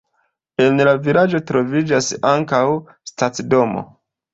En la vilaĝo troviĝas ankaŭ stacidomo.